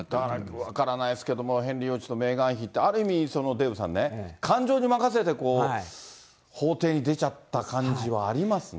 だから分からないですけども、ヘンリー王子とメーガン妃って、ある意味、デーブさんね、感情に任せて法廷に出ちゃった感じはありますね。